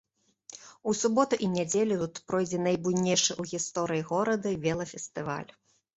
У суботу і нядзелю тут пройдзе найбуйнейшы ў гісторыі гораду велафестываль.